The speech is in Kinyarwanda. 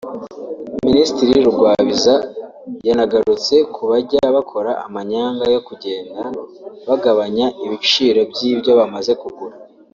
Minisitiri Rugwabiza yanagarutse ku bajya bakora amanyanga yo kugenda bagabanya ibiro by’ibyo bamaze kugura